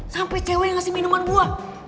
sampai cewek ngasih minuman gue